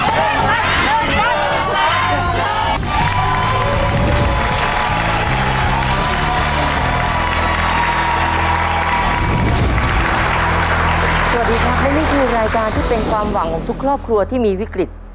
สวัสดีครับและนี่คือรายการที่เป็นความหวังของทุกครอบครัวที่มีวิกฤต